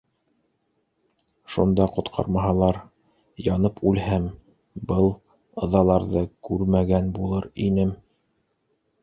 - Шунда ҡотҡармаһалар, янып үлһәм, был ыҙаларҙы күрмәгән булыр инем.